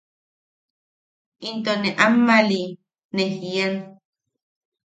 Into ne ammaʼali ne jian.